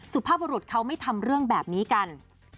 สุภาพบรุษเขาไม่ทำเรื่องแบบนี้กัน